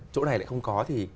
chỗ này lại không có thì